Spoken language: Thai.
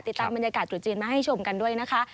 ติดตามบรรยากาศตรุษจีนมาให้ชมกันด้วยนะคะ